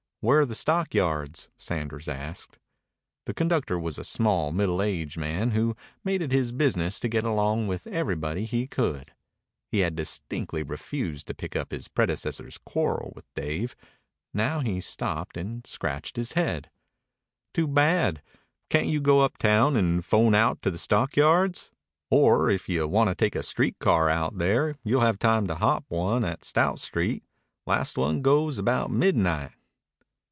Where are the stockyards?" Sanders asked. The conductor was a small, middle aged man who made it his business to get along with everybody he could. He had distinctly refused to pick up his predecessor's quarrel with Dave. Now he stopped and scratched his head. "Too bad. Can't you go uptown and 'phone out to the stockyards? Or if you want to take a street car out there you'll have time to hop one at Stout Street. Last one goes about midnight."